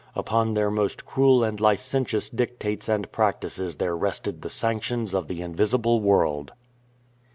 Upon their most cruel and licentious dictates and practices there rested the sanctions of the invisible world.